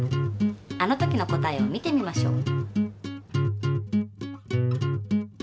あの時の答えを見てみましょう。